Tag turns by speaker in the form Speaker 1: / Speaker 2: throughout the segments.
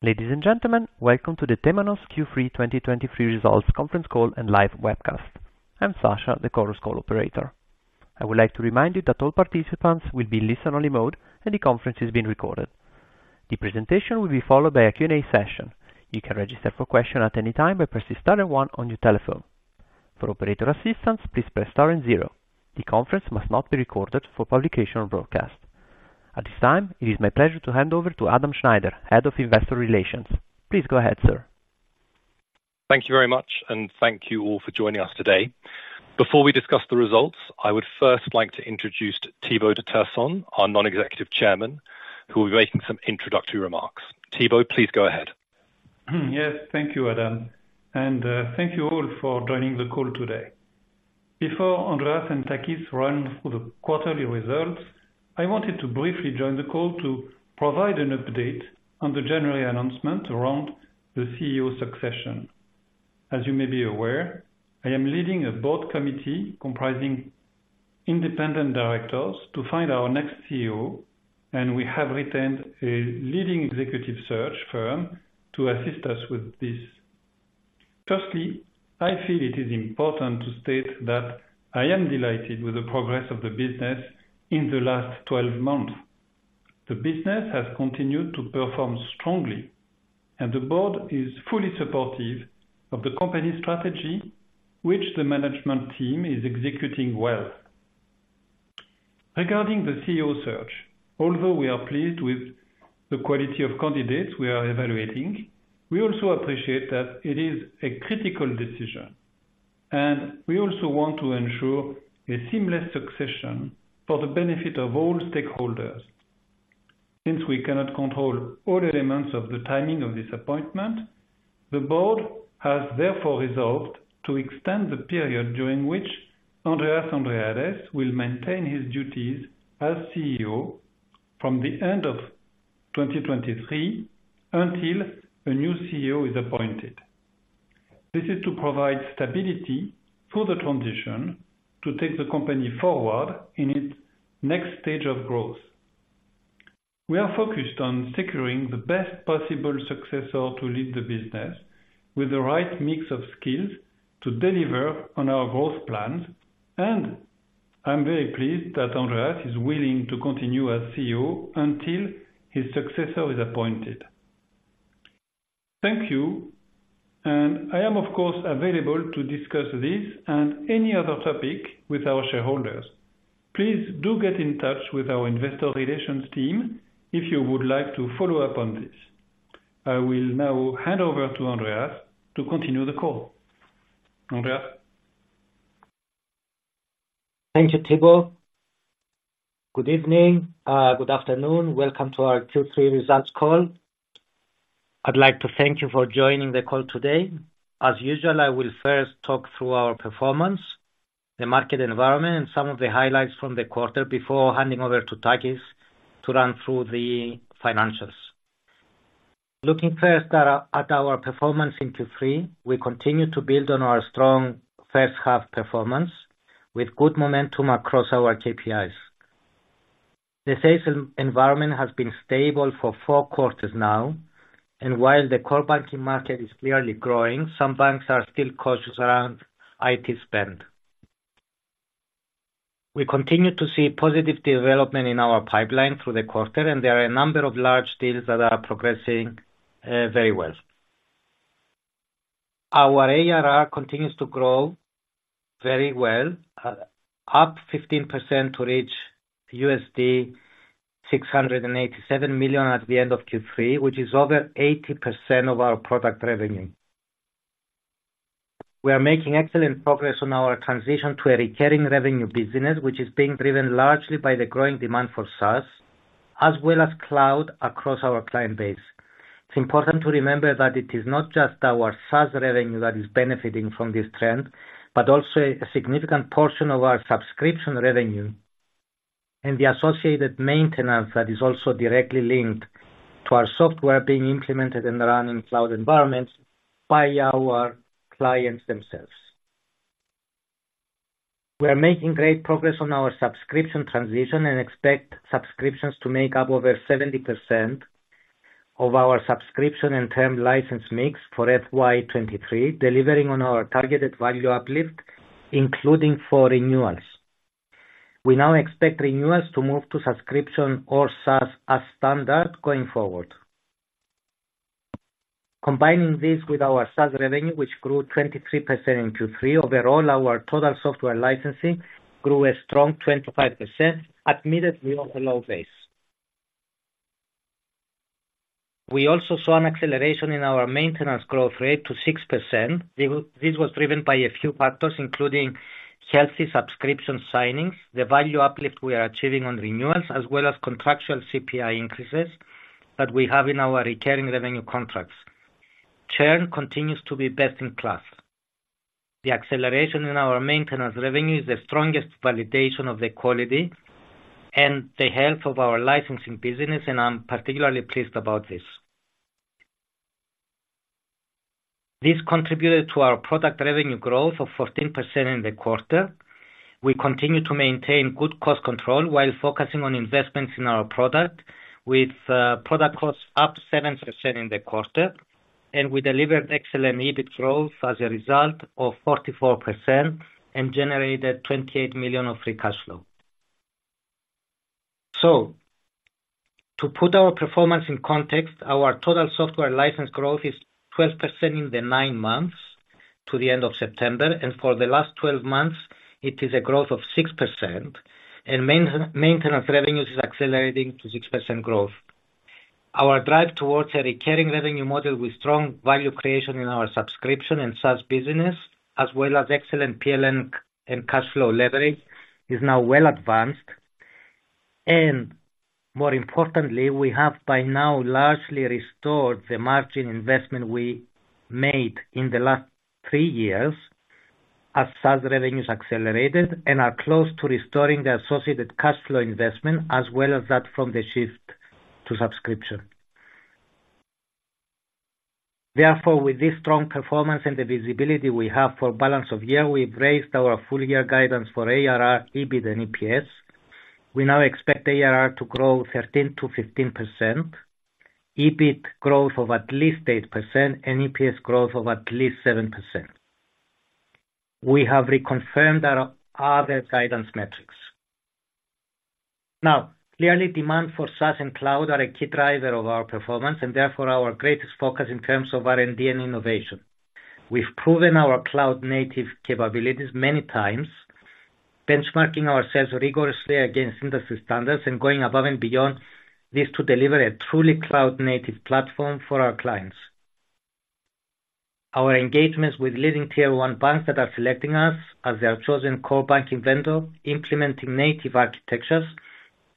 Speaker 1: Ladies and gentlemen, welcome to the Temenos Q3 2023 Results Conference Call and Live Webcast. I'm Sasha, the conference call operator. I would like to remind you that all participants will be in listen-only mode, and the conference is being recorded. The presentation will be followed by a Q&A session. You can register for question at any time by pressing star and one on your telephone. For operator assistance, please press star and zero. The conference must not be recorded for publication or broadcast. At this time, it is my pleasure to hand over to Adam Snyder, Head of Investor Relations. Please go ahead, sir.
Speaker 2: Thank you very much, and thank you all for joining us today. Before we discuss the results, I would first like to introduce Thibault de Tersant, our non-executive Chairman, who will be making some introductory remarks. Thibault, please go ahead.
Speaker 3: Yes. Thank you, Adam, and thank you all for joining the call today. Before Andreas and Takis run through the quarterly results, I wanted to briefly join the call to provide an update on the January announcement around the CEO succession. As you may be aware, I am leading a board committee comprising independent directors to find our next CEO, and we have retained a leading executive search firm to assist us with this. Firstly, I feel it is important to state that I am delighted with the progress of the business in the last 12 months. The business has continued to perform strongly, and the board is fully supportive of the company's strategy, which the management team is executing well. Regarding the CEO search, although we are pleased with the quality of candidates we are evaluating, we also appreciate that it is a critical decision, and we also want to ensure a seamless succession for the benefit of all stakeholders. Since we cannot control all elements of the timing of this appointment, the board has therefore resolved to extend the period during which Andreas Andreades will maintain his duties as CEO from the end of 2023 until a new CEO is appointed. This is to provide stability for the transition to take the company forward in its next stage of growth. We are focused on securing the best possible successor to lead the business with the right mix of skills to deliver on our growth plans, and I'm very pleased that Andreas is willing to continue as CEO until his successor is appointed. Thank you, and I am, of course, available to discuss this and any other topic with our shareholders. Please do get in touch with our investor relations team if you would like to follow up on this. I will now hand over to Andreas to continue the call. Andreas?
Speaker 4: Thank you, Thibault. Good evening, good afternoon. Welcome to our Q3 results call. I'd like to thank you for joining the call today. As usual, I will first talk through our performance, the market environment, and some of the highlights from the quarter before handing over to Takis to run through the financials. Looking first at our performance in Q3, we continued to build on our strong first half performance with good momentum across our KPIs. The sales environment has been stable for four quarters now, and while the core banking market is clearly growing, some banks are still cautious around IT spend. We continued to see positive development in our pipeline through the quarter, and there are a number of large deals that are progressing very well. Our ARR continues to grow very well, up 15% to reach $687 million at the end of Q3, which is over 80% of our product revenue. We are making excellent progress on our transition to a recurring revenue business, which is being driven largely by the growing demand for SaaS, as well as cloud across our client base. It's important to remember that it is not just our SaaS revenue that is benefiting from this trend, but also a significant portion of our subscription revenue and the associated maintenance that is also directly linked to our software being implemented and run in cloud environments by our clients themselves. We are making great progress on our subscription transition and expect subscriptions to make up over 70% of our subscription and term license mix for FY 2023, delivering on our targeted value uplift, including for renewals. We now expect renewals to move to subscription or SaaS as standard going forward. Combining this with our SaaS revenue, which grew 23% in Q3, overall, our total software licensing grew a strong 25%, admittedly off a low base. We also saw an acceleration in our maintenance growth rate to 6%. This was driven by a few factors, including healthy subscription signings, the value uplift we are achieving on renewals, as well as contractual CPI increases that we have in our recurring revenue contracts. Churn continues to be best in class. The acceleration in our maintenance revenue is the strongest validation of the quality and the health of our licensing business, and I'm particularly pleased about this. This contributed to our product revenue growth of 14% in the quarter. We continue to maintain good cost control while focusing on investments in our product, with product costs up 7% in the quarter, and we delivered excellent EBIT growth as a result of 44% and generated $28 million of free cash flow. So to put our performance in context, our total software license growth is 12% in the nine months to the end of September, and for the last 12 months, it is a growth of 6%, and maintenance revenues is accelerating to 6% growth. Our drive towards a recurring revenue model with strong value creation in our subscription and SaaS business, as well as excellent P&L and cash flow leverage, is now well advanced. And more importantly, we have by now largely restored the margin investment we made in the last three years as SaaS revenues accelerated and are close to restoring the associated cash flow investment, as well as that from the shift to subscription. Therefore, with this strong performance and the visibility we have for balance of year, we've raised our full year guidance for ARR, EBIT, and EPS. We now expect ARR to grow 13%-15%, EBIT growth of at least 8%, and EPS growth of at least 7%. We have reconfirmed our other guidance metrics. Now, clearly, demand for SaaS and cloud are a key driver of our performance, and therefore our greatest focus in terms of R&D and innovation. We've proven our cloud-native capabilities many times, benchmarking ourselves rigorously against industry standards and going above and beyond this to deliver a truly cloud-native platform for our clients. Our engagements with leading Tier 1 banks that are selecting us as their chosen core banking vendor, implementing native architectures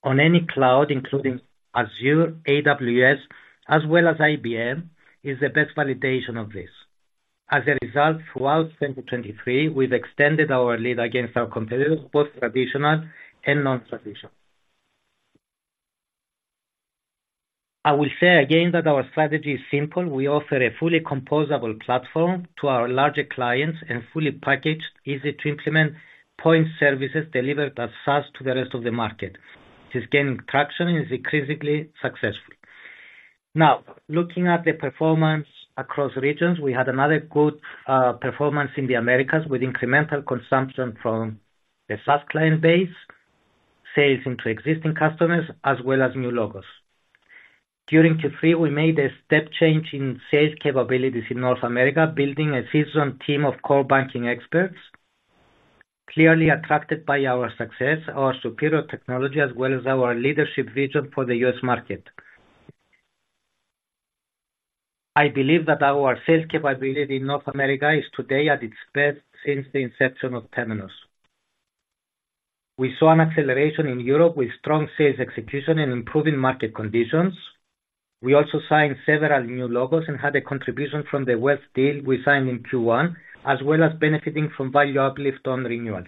Speaker 4: on any cloud, including Azure, AWS, as well as IBM, is the best validation of this. As a result, throughout 2023, we've extended our lead against our competitors, both traditional and non-traditional. I will say again that our strategy is simple. We offer a fully composable platform to our larger clients and fully packaged, easy to implement point services delivered as SaaS to the rest of the market. This is gaining traction and is increasingly successful. Now, looking at the performance across regions, we had another good performance in the Americas, with incremental consumption from the SaaS client base, sales into existing customers, as well as new logos. During Q3, we made a step change in sales capabilities in North America, building a seasoned team of core banking experts, clearly attracted by our success, our superior technology, as well as our leadership vision for the U.S. market. I believe that our sales capability in North America is today at its best since the inception of Temenos. We saw an acceleration in Europe with strong sales execution and improving market conditions. We also signed several new logos and had a contribution from the wealth deal we signed in Q1, as well as benefiting from value uplift on renewals.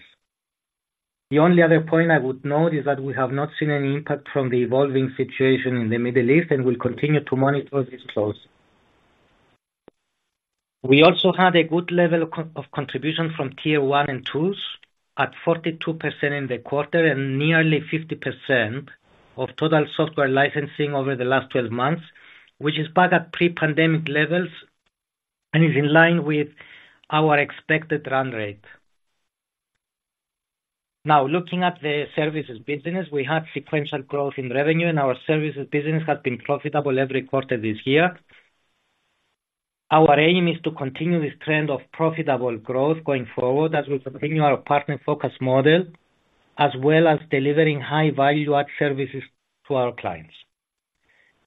Speaker 4: The only other point I would note is that we have not seen any impact from the evolving situation in the Middle East, and we'll continue to monitor this closely. We also had a good level of contribution from Tier 1 and 2s at 42% in the quarter and nearly 50% of total software licensing over the last 12 months, which is back at pre-pandemic levels and is in line with our expected run rate. Now, looking at the services business, we had sequential growth in revenue, and our services business has been profitable every quarter this year. Our aim is to continue this trend of profitable growth going forward as we continue our partner focus model, as well as delivering high value add services to our clients.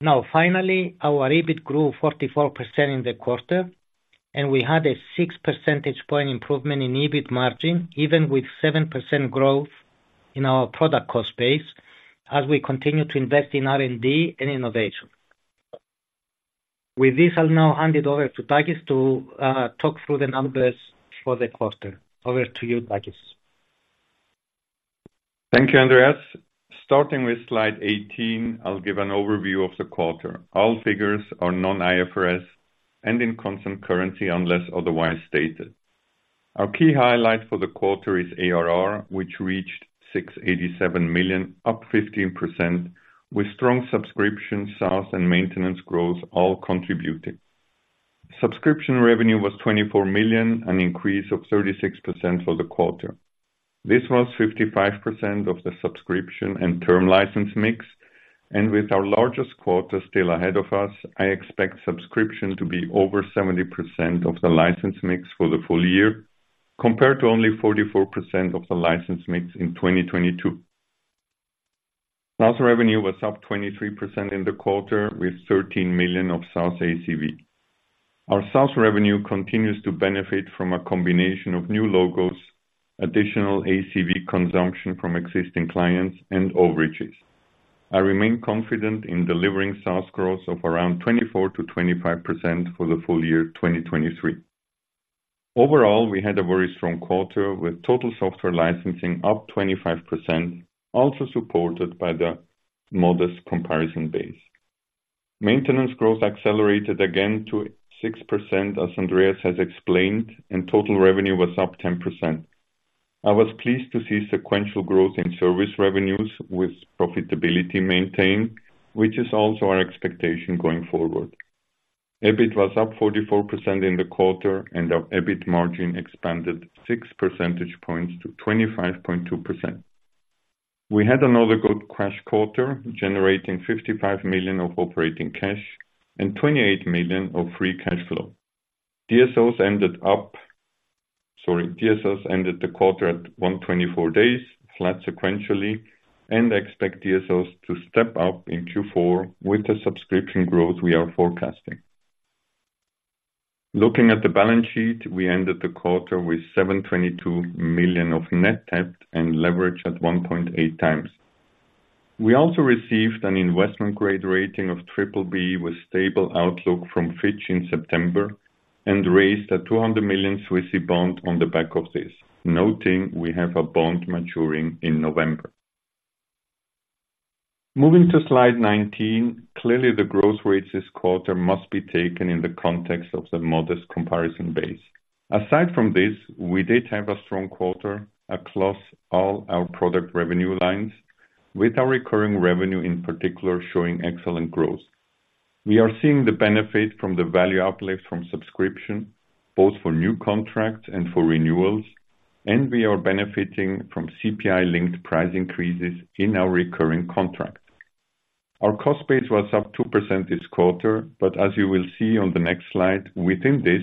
Speaker 4: Now, finally, our EBIT grew 44% in the quarter, and we had a 6 percentage point improvement in EBIT margin, even with 7% growth in our product cost base, as we continue to invest in R&D and innovation. With this, I'll now hand it over to Takis to talk through the numbers for the quarter. Over to you, Takis.
Speaker 5: Thank you, Andreas. Starting with slide 18, I'll give an overview of the quarter. All figures are non-IFRS and in constant currency, unless otherwise stated. Our key highlight for the quarter is ARR, which reached 687 million, up 15%, with strong subscription, SaaS, and maintenance growth, all contributing. Subscription revenue was 24 million, an increase of 36% for the quarter. This was 55% of the subscription and term license mix, and with our largest quarter still ahead of us, I expect subscription to be over 70% of the license mix for the full year, compared to only 44% of the license mix in 2022. SaaS revenue was up 23% in the quarter, with 13 million of SaaS ACV. Our SaaS revenue continues to benefit from a combination of new logos, additional ACV consumption from existing clients, and overages. I remain confident in delivering SaaS growth of around 24%-25% for the full year 2023. Overall, we had a very strong quarter with total software licensing up 25%, also supported by the modest comparison base. Maintenance growth accelerated again to 6%, as Andreas has explained, and total revenue was up 10%. I was pleased to see sequential growth in service revenues with profitability maintained, which is also our expectation going forward. EBIT was up 44% in the quarter, and our EBIT margin expanded six percentage points to 25.2%. We had another good cash quarter, generating 55 million of operating cash and 28 million of free cash flow. DSOs ended up, sorry DSOs ended the quarter at 124 days, flat sequentially, and expect DSOs to step up in Q4 with the subscription growth we are forecasting. Looking at the balance sheet, we ended the quarter with 722 million of net debt and leverage at 1.8x. We also received an investment grade rating of BBB with stable outlook from Fitch in September and raised a 200 million Swissy bond on the back of this, noting we have a bond maturing in November. Moving to slide 19, clearly the growth rates this quarter must be taken in the context of the modest comparison base. Aside from this, we did have a strong quarter across all our product revenue lines, with our recurring revenue, in particular, showing excellent growth. We are seeing the benefit from the value uplift from subscription, both for new contracts and for renewals, and we are benefiting from CPI-linked price increases in our recurring contracts. Our cost base was up 2% this quarter, but as you will see on the next slide, within this,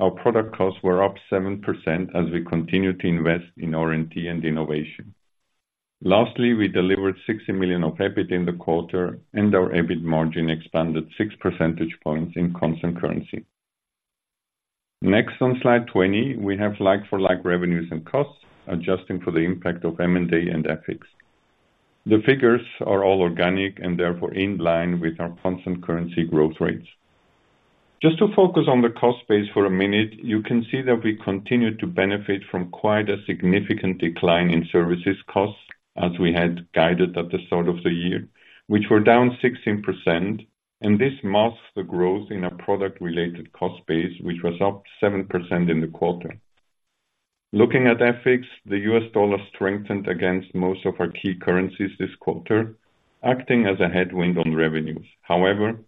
Speaker 5: our product costs were up 7% as we continue to invest in R&D and innovation. Lastly, we delivered 60 million of EBIT in the quarter, and our EBIT margin expanded 6 percentage points in constant currency. Next, on slide 20, we have like-for-like revenues and costs, adjusting for the impact of M&A and FX. The figures are all organic and therefore in line with our constant currency growth rates. Just to focus on the cost base for a minute, you can see that we continue to benefit from quite a significant decline in services costs, as we had guided at the start of the year, which were down 16%, and this masks the growth in our product-related cost base, which was up 7% in the quarter. Looking at FX, the U.S. dollar strengthened against most of our key currencies this quarter, acting as a headwind on revenues. However,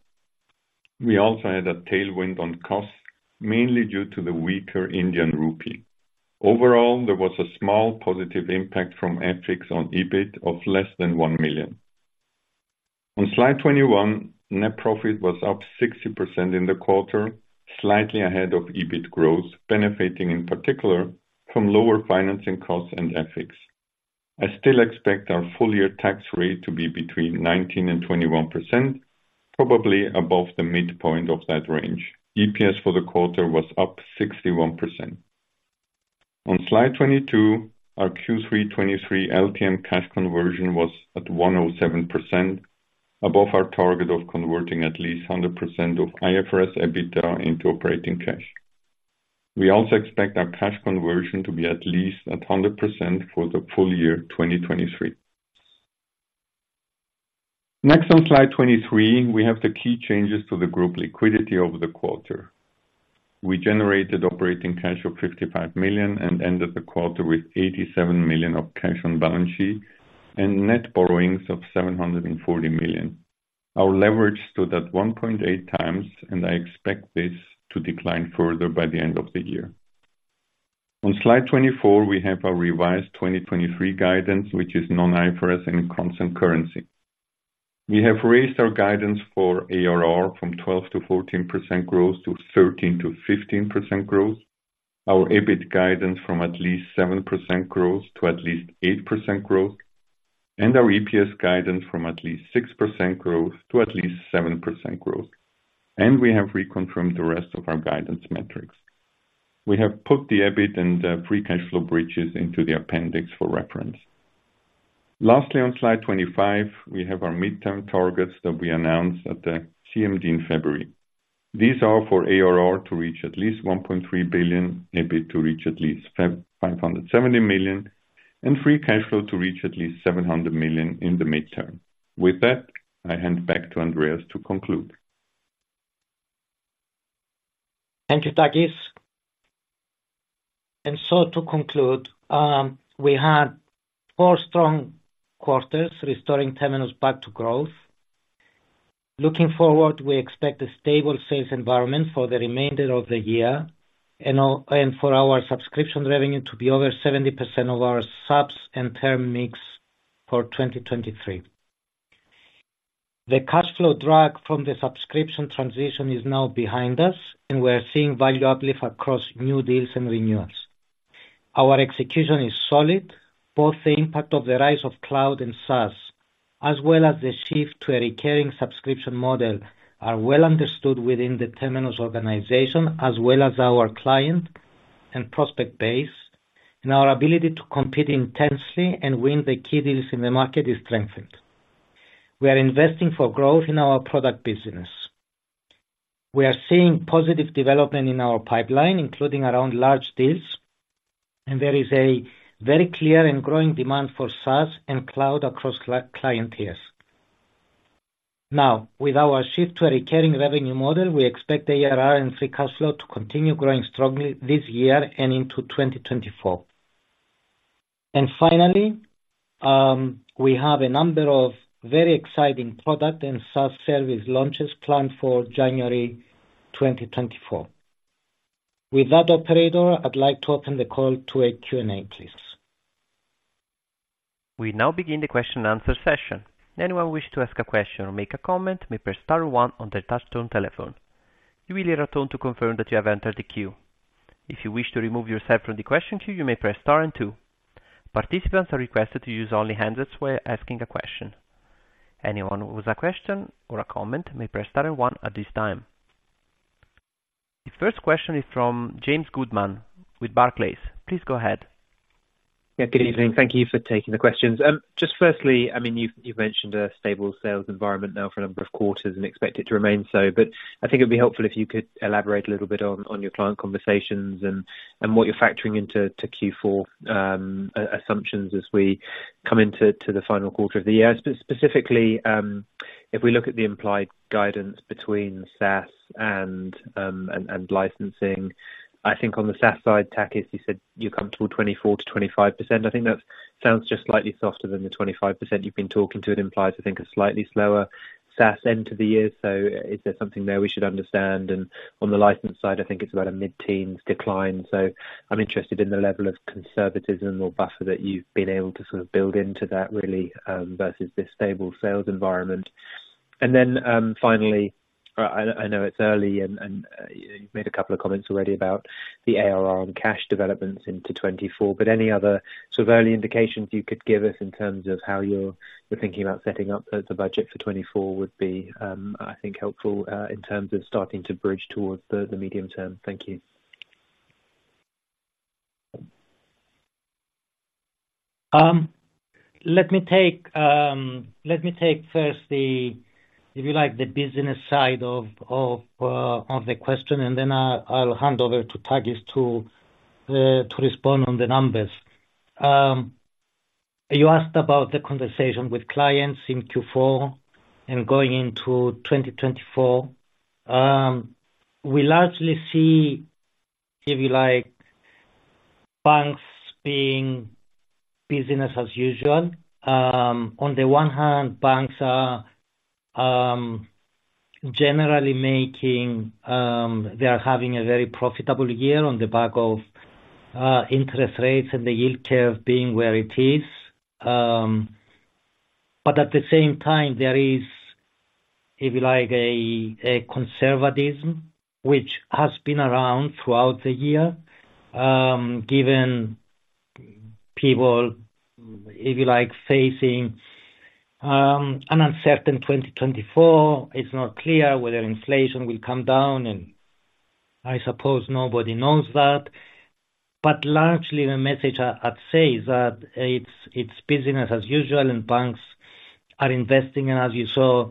Speaker 5: we also had a tailwind on costs, mainly due to the weaker Indian rupee. Overall, there was a small positive impact from FX on EBIT of less than 1 million. On slide 21, net profit was up 60% in the quarter, slightly ahead of EBIT growth, benefiting in particular from lower financing costs and FX. I still expect our full year tax rate to be between 19% and 21%, probably above the midpoint of that range. EPS for the quarter was up 61%. On slide 22, our Q3 2023 LTM cash conversion was at 107%, above our target of converting at least 100% of IFRS EBITDA into operating cash. We also expect our cash conversion to be at least 100% for the full year 2023. Next, on slide 23, we have the key changes to the group liquidity over the quarter. We generated operating cash of 55 million and ended the quarter with 87 million of cash on balance sheet and net borrowings of 740 million. Our leverage stood at 1.8x, and I expect this to decline further by the end of the year. On slide 24, we have our revised 2023 guidance, which is non-IFRS and in constant currency. We have raised our guidance for ARR from 12%-14% growth to 13%-15% growth, our EBIT guidance from at least 7% growth to at least 8% growth, and our EPS guidance from at least 6% growth to at least 7% growth. And we have reconfirmed the rest of our guidance metrics. We have put the EBIT and the free cash flow bridges into the appendix for reference. Lastly, on slide 25, we have our midterm targets that we announced at the CMD in February. These are for ARR to reach at least 1.3 billion, EBIT to reach at least 557 million, and free cash flow to reach at least 700 million in the midterm. With that, I hand back to Andreas to conclude.
Speaker 4: Thank you, Takis. And so to conclude, we had four strong quarters restoring Temenos back to growth. Looking forward, we expect a stable sales environment for the remainder of the year and for our subscription revenue to be over 70% of our subs and term mix for 2023. The cash flow drag from the subscription transition is now behind us, and we are seeing value uplift across new deals and renewals. Our execution is solid. Both the impact of the rise of cloud and SaaS, as well as the shift to a recurring subscription model, are well understood within the Temenos organization, as well as our client and prospect base, and our ability to compete intensely and win the key deals in the market is strengthened. We are investing for growth in our product business. We are seeing positive development in our pipeline, including around large deals, and there is a very clear and growing demand for SaaS and cloud across client tiers. Now, with our shift to a recurring revenue model, we expect ARR and free cash flow to continue growing strongly this year and into 2024. And finally, we have a number of very exciting product and SaaS service launches planned for January 2024. With that, operator, I'd like to open the call to a Q&A, please.
Speaker 1: We now begin the question and answer session. Anyone wish to ask a question or make a comment may press star one on their touchtone telephone. You will hear a tone to confirm that you have entered the queue. If you wish to remove yourself from the question queue, you may press star and two. Participants are requested to use only handsets when asking a question. Anyone who has a question or a comment may press star and one at this time. The first question is from James Goodman with Barclays. Please go ahead.
Speaker 6: Yeah, good evening. Thank you for taking the questions. Just firstly, I mean, you've, you've mentioned a stable sales environment now for a number of quarters and expect it to remain so, but I think it'd be helpful if you could elaborate a little bit on your client conversations and what you're factoring into Q4 assumptions as we come into the final quarter of the year. Specifically, if we look at the implied guidance between SaaS and licensing, I think on the SaaS side, Takis, you said you're comfortable 24%-25%. I think that sounds just slightly softer than the 25% you've been talking to. It implies, I think, a slightly slower SaaS end to the year. So is there something there we should understand and- ...On the license side, I think it's about a mid-teen decline. So I'm interested in the level of conservatism or buffer that you've been able to sort of build into that really versus this stable sales environment. And then, finally, I know it's early and you've made a couple of comments already about the ARR on cash developments into 2024, but any other sort of early indications you could give us in terms of how you're thinking about setting up the budget for 2024 would be, I think, helpful in terms of starting to bridge towards the medium term. Thank you.
Speaker 4: Let me take, let me take first the, if you like, the business side of, of, of the question, and then I'll hand over to Takis to respond on the numbers. You asked about the conversation with clients in Q4 and going into 2024. We largely see, if you like, banks being business as usual. On the one hand, banks are generally making... They are having a very profitable year on the back of interest rates and the yield curve being where it is. But at the same time, there is, if you like, a conservatism which has been around throughout the year, given people, if you like, facing an uncertain 2024; it's not clear whether inflation will come down, and I suppose nobody knows that. But largely the message I'd say is that it's business as usual and banks are investing, and as you saw,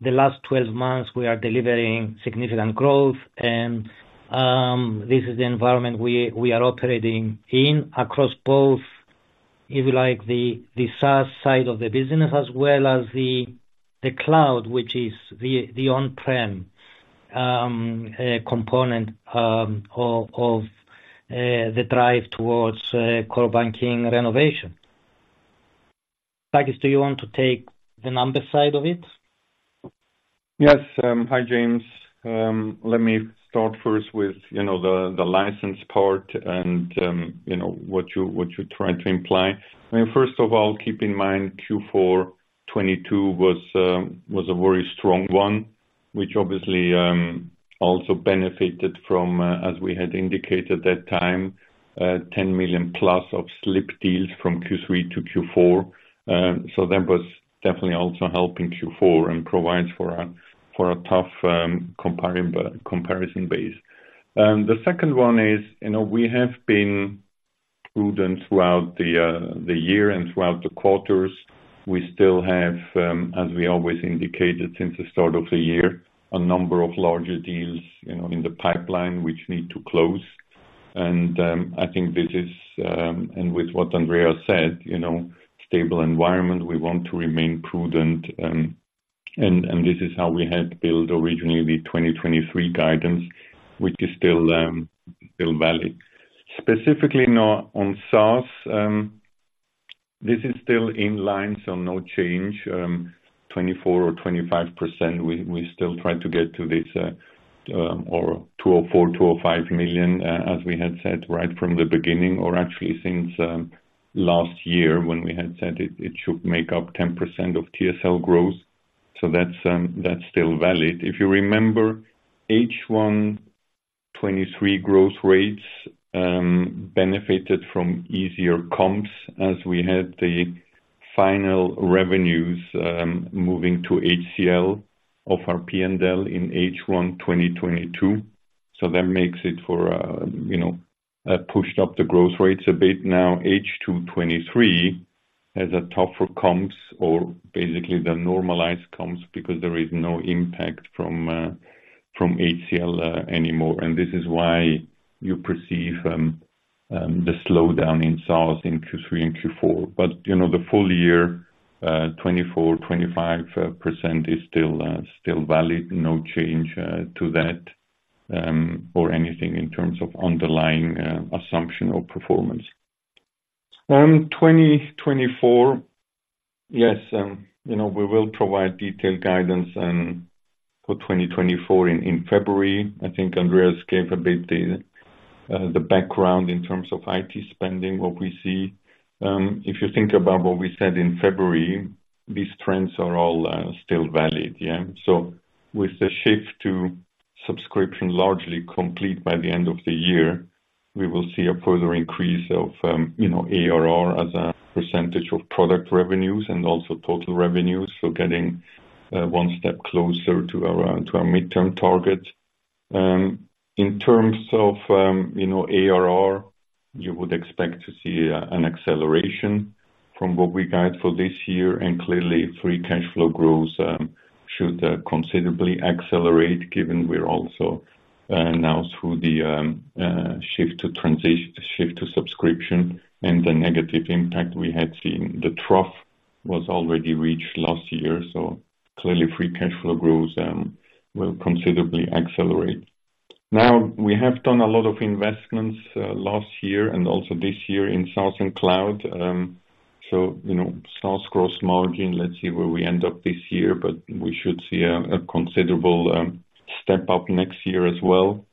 Speaker 4: the last 12 months, we are delivering significant growth, and this is the environment we are operating in across both, if you like, the SaaS side of the business, as well as the cloud, which is the on-prem component of the drive towards core banking renovation. Takis, do you want to take the numbers side of it?
Speaker 5: Yes. Hi, James. Let me start first with, you know, the license part and, you know, what you're, what you're trying to imply. I mean, first of all, keep in mind, Q4 2022 was a very strong one, which obviously also benefited from, as we had indicated that time, 10 million plus of slip deals from Q3 to Q4. So that was definitely also helping Q4 and provides for a, for a tough comparison, comparison base. The second one is, you know, we have been prudent throughout the year and throughout the quarters. We still have, as we always indicated, since the start of the year, a number of larger deals, you know, in the pipeline, which need to close. And I think this is, and with what Andreas said, you know, stable environment, we want to remain prudent, and this is how we had built originally the 2023 guidance, which is still still valid. Specifically now on SaaS, this is still in line, so no change, 24% or 25%. We, we still try to get to this, 24 million or 25 million, as we had said, right from the beginning, or actually since last year when we had said it, it should make up 10% of TSL growth. So that's, that's still valid. If you remember, H1 2023 growth rates benefited from easier comps as we had the final revenues moving to HCL of our P&L in H1 2022. So that makes it for, you know, pushed up the growth rates a bit. Now, H2 2023 has a tougher comps or basically the normalized comps, because there is no impact from, from HCL, anymore. And this is why you perceive, the slowdown in sales in Q3 and Q4. But, you know, the full year, 2024, 25% is still, still valid. No change, to that, or anything in terms of underlying, assumption or performance. 2024, yes, you know, we will provide detailed guidance, for 2024 in, in February. I think Andreas gave a bit the, the background in terms of IT spending, what we see. If you think about what we said in February, these trends are all, still valid. And yeah so with the shift to subscription largely complete by the end of the year, we will see a further increase of, you know, ARR as a percentage of product revenues and also total revenues. So getting one step closer to our, to our midterm target. In terms of, you know, ARR, you would expect to see an acceleration from what we guide for this year, and clearly, free cash flow growth should considerably accelerate, given we're also now through the shift to subscription and the negative impact we had seen. The trough was already reached last year, so clearly free cash flow growth will considerably accelerate. Now, we have done a lot of investments last year and also this year in sales and cloud. So, you know, sales gross margin, let's see where we end up this year, but we should see a considerable step up next year as well.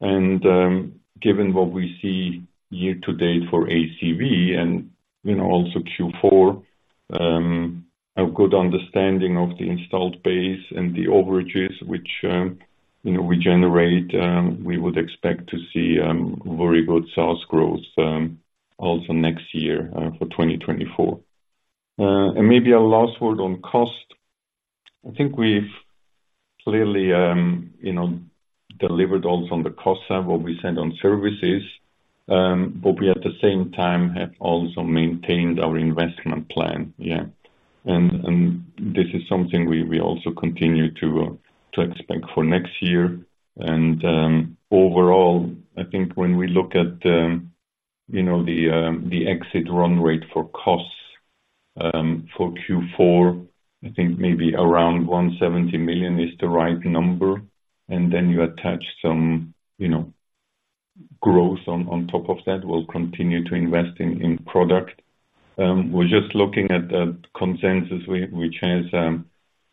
Speaker 5: And, given what we see year to date for ACV and, you know, also Q4, a good understanding of the installed base and the overages which, you know, we generate, we would expect to see very good sales growth also next year for 2024. And maybe a last word on cost. I think we've clearly, you know, delivered also on the cost side, what we said on services, but we at the same time have also maintained our investment plan. Yeah. And and this is something we also continue to expect for next year. And overall, I think when we look at the, you know, the, the exit run rate for costs, for Q4, I think maybe around $170 million is the right number, and then you attach some, you know, growth on, on top of that, we'll continue to invest in, in product. We're just looking at the consensus, which is,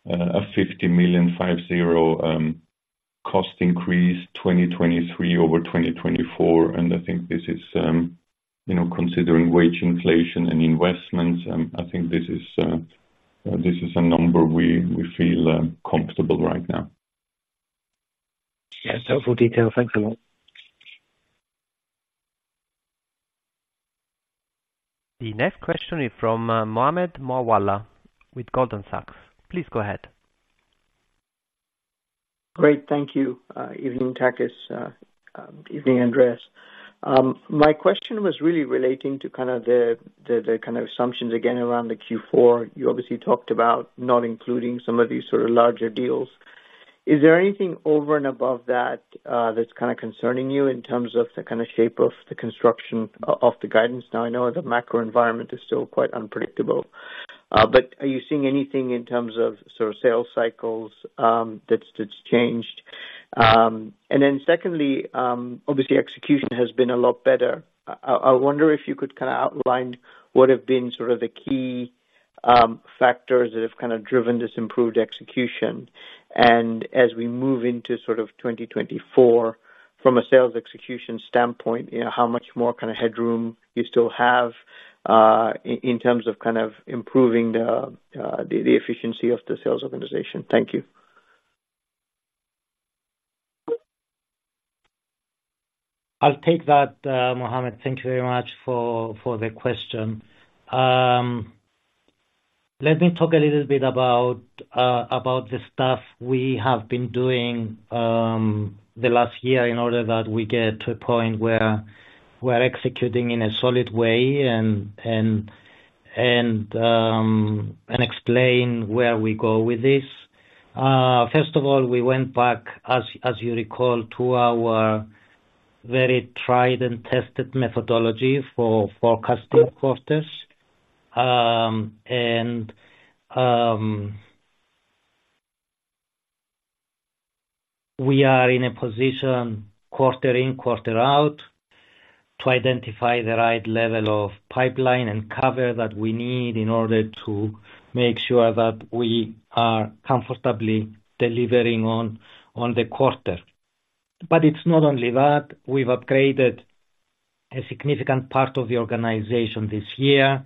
Speaker 5: a 50 million, 50, cost increase, 2023 over 2024. And I think this is, you know, considering wage inflation and investments, I think this is, this is a number we, we feel, comfortable right now.
Speaker 6: Yes, helpful detail. Thanks a lot.
Speaker 1: The next question is from, Mohammed Moawalla with Goldman Sachs. Please go ahead.
Speaker 7: Great, thank you. Evening, Takis, evening, Andreas. My question was really relating to kind of the kind of assumptions again, around the Q4. You obviously talked about not including some of these sort of larger deals. Is there anything over and above that that's kind of concerning you in terms of the kind of shape of the construction of the guidance? Now, I know the macro environment is still quite unpredictable, but are you seeing anything in terms of sort of sales cycles that's changed? And then secondly, obviously, execution has been a lot better. I wonder if you could kinda outline what have been sort of the key factors that have kinda driven this improved execution. And as we move into sort of 2024, from a sales execution standpoint, you know, how much more kinda headroom you still have in terms of kind of improving the efficiency of the sales organization? Thank you.
Speaker 4: I'll take that, Mohammed. Thank you very much for for the question. Let me talk a little bit about, about the stuff we have been doing the last year in order that we get to a point where, we're executing in a solid way and explain where we go with this. First of all, we went back, as you recall, to our very tried and tested methodology for forecasting quarters. And we are in a position quarter in, quarter out, to identify the right level of pipeline and cover that we need in order to make sure that we are comfortably delivering on the quarter. But it's not only that, we've upgraded a significant part of the organization this year.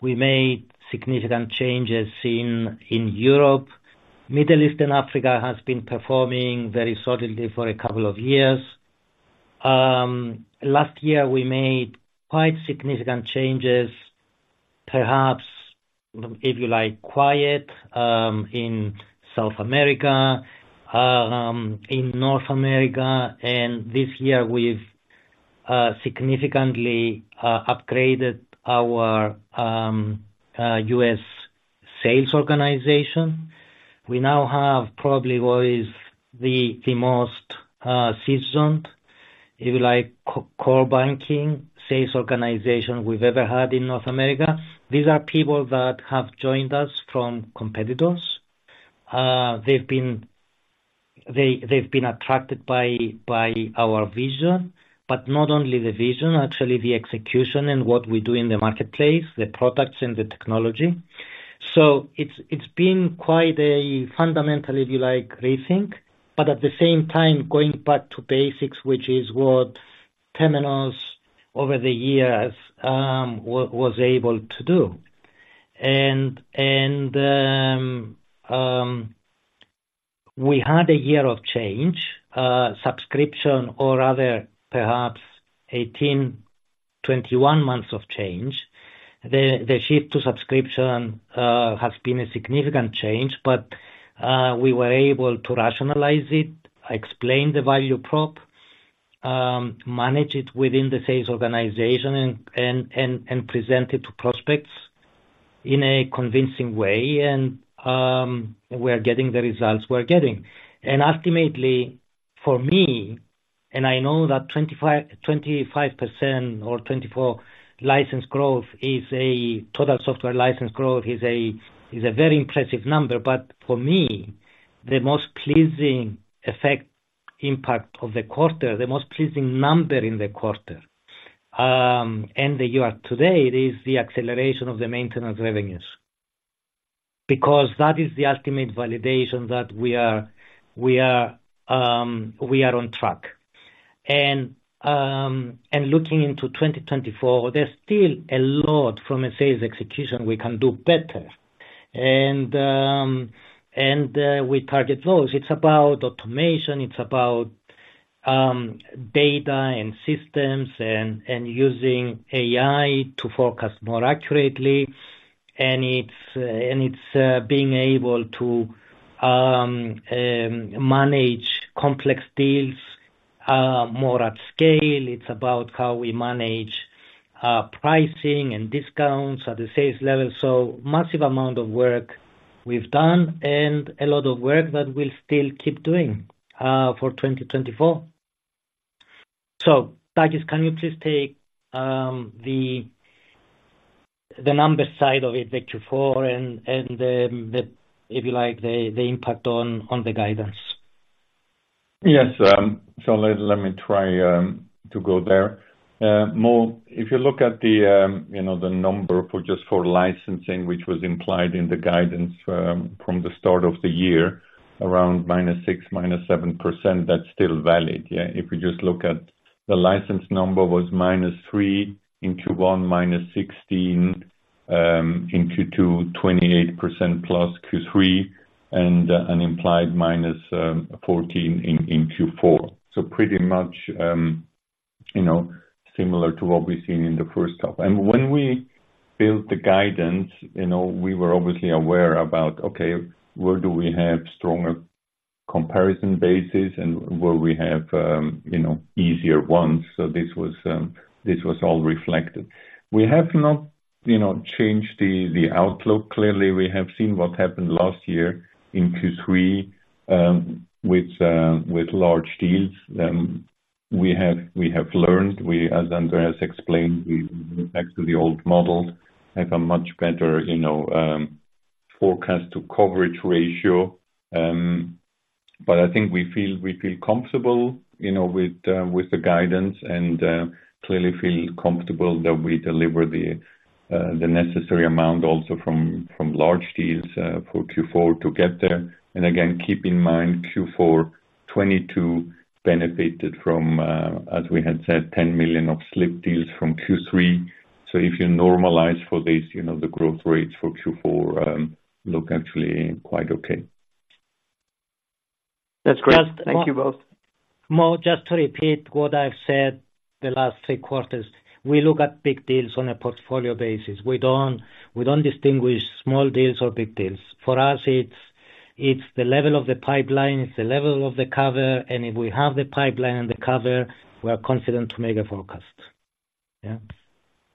Speaker 4: We made significant changes in Europe. Middle East and Africa has been performing very solidly for a couple of years. Last year, we made quite significant changes-... perhaps, if you like, quiet in South America, in North America, and this year we've significantly upgraded our U.S. sales organization. We now have probably what is the most seasoned, if you like, core banking sales organization we've ever had in North America. These are people that have joined us from competitors. They've been, they've been attracted by our vision, but not only the vision, actually the execution and what we do in the marketplace, the products and the technology. So it's it's been quite a fundamental, if you like, rethink, but at the same time, going back to basics, which is what Temenos over the years was was able to do. And and we had a year of change, subscription, or rather perhaps 18-21 months of change. The shift to subscription has been a significant change, but we were able to rationalize it, explain the value prop, manage it within the sales organization and present it to prospects in a convincing way, and we are getting the results we're getting. And ultimately, for me, and I know that 25%, 25% or 24% license growth is a total software license growth is a, is a very impressive number, but for me, the most pleasing effect impact of the quarter, the most pleasing number in the quarter, and the year today, it is the acceleration of the maintenance revenues. Because that is the ultimate validation that we are, we are, we are on track. And and looking into 2024, there's still a lot from a sales execution we can do better. And, and we target those. It's about automation, it's about data and systems and using AI to forecast more accurately, and it's, and it's being able to manage complex deals more at scale. It's about how we manage pricing and discounts at the sales level. So massive amount of work we've done, and a lot of work that we'll still keep doing for 2024. So, Takis, can you please take the numbers side of it, Q4 and and the, if you like, the impact on the guidance?
Speaker 5: Yes. So let me try to go there. Mo, if you look at the, you know, the number for just for licensing, which was implied in the guidance, from the start of the year, around -6%,-7%, that's still valid. Yeah, if you just look at the license number was -3% in Q1, -16% in Q2, +28% Q3, and an implied -14% in Q4. So pretty much, you know, similar to what we've seen in the first half. And when we built the guidance, you know, we were obviously aware about, okay, where do we have stronger comparison basis and where we have, you know, easier ones. So this was, this was all reflected. We have not, you know, changed the outlook. Clearly, we have seen what happened last year in Q3, with large deals. We have, we have learned, as Andreas explained, we went back to the old model, have a much better, you know, forecast to coverage ratio. But I think we feel comfortable, you know, with the, with the guidance and clearly feel comfortable that we deliver the necessary amount also also from large deals for Q4 to get there. And again, keep in mind, Q4 2022 benefited from, as we had said, $10 million of slipped deals from Q3. So if you normalize for this, you know, the growth rates for Q4 look actually quite okay. That's great. Thank you both.
Speaker 4: Mo, just to repeat what I've said the last three quarters, we look at big deals on a portfolio basis. We don't, we don't distinguish small deals or big deals. For us, it's, it's the level of the pipeline, it's the level of the cover, and if we have the pipeline and the cover, we are confident to make a forecast. Yeah?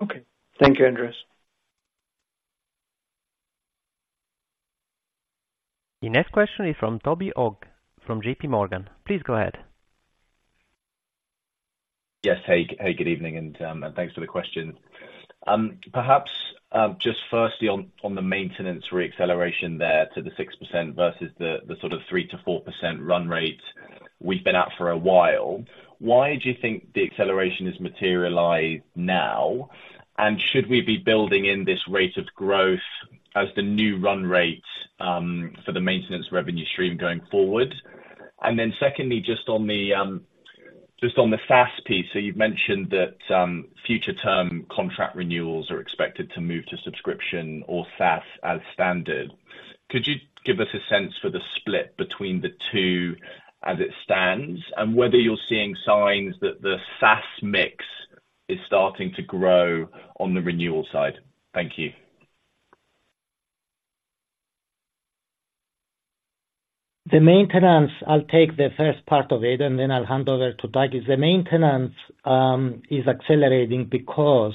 Speaker 7: Okay. Thank you, Andreas.
Speaker 1: The next question is from Toby Ogg, from J.P. Morgan. Please go ahead.
Speaker 8: Yes, hey. Hey, good evening, and, and thanks for the question. And perhaps, just firstly on, on the maintenance reacceleration there to the 6% versus the, the sort of 3%-4% run rate we've been at for a while, why do you think the acceleration is materialized now? And should we be building in this rate of growth as the new run rate, for the maintenance revenue stream going forward? And then secondly, just on the, just on the SaaS piece, so you've mentioned that, future term contract renewals are expected to move to subscription or SaaS as standard. Could you give us a sense for the split between the two as it stands, and whether you're seeing signs that the SaaS mix is starting to grow on the renewal side? Thank you.
Speaker 4: The maintenance, I'll take the first part of it, and then I'll hand over to Takis. The maintenance is accelerating because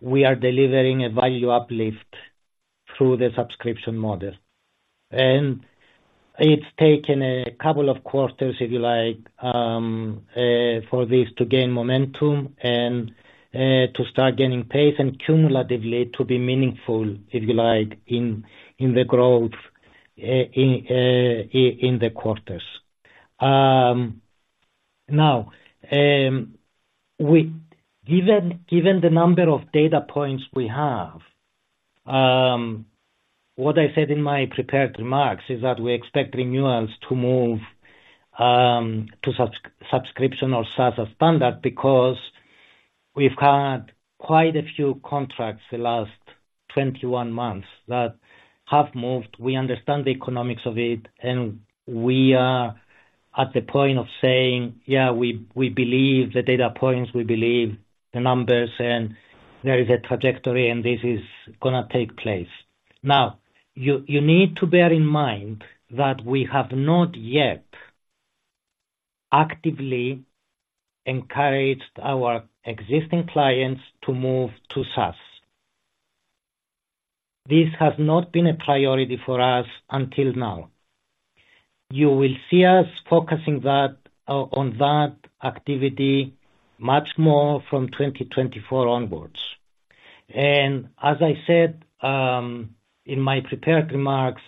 Speaker 4: we are delivering a value uplift through the subscription model. And it's taken a couple of quarters, if you like, for this to gain momentum and to start gaining pace and cumulatively to be meaningful, if you like, in the, in the growth in the quarters. Now, given given the number of data points we have, what I said in my prepared remarks is that we expect renewals to move to subscription or SaaS as standard, because we've had quite a few contracts the last 21 months that have moved. We understand the economics of it, and we are at the point of saying, yeah, we believe the data points, we believe the numbers, and there is a trajectory, and this is gonna take place. Now, you need to bear in mind that we have not yet actively encouraged our existing clients to move to SaaS. This has not been a priority for us until now. You will see us focusing that, on that activity much more from 2024 onwards. And as I said, in my prepared remarks,